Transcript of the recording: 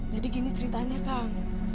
jadi gini ceritanya kang